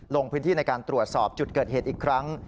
ลงพื้นที่ในการตรวจสอบจุดเกิดเหตุอีกครั้ง